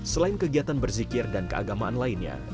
selain kegiatan berzikir dan keagamaan lainnya